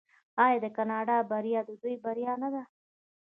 آیا د کاناډا بریا د دوی بریا نه ده؟